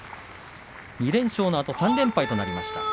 ２連勝のあと３連敗となりました。